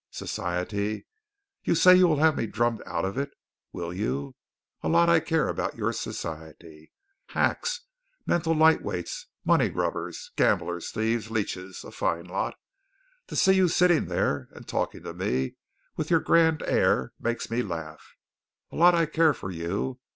Society! You say you will have me drummed out of it, will you? A lot I care about your society. Hacks, mental light weights, money grubbers, gamblers, thieves, leeches a fine lot! To see you sitting there and talking to me with your grand air makes me laugh. A lot I care for you.